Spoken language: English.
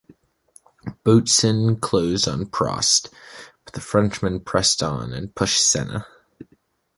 Boutsen closed on Prost, but the Frenchman pressed on and pushed Senna.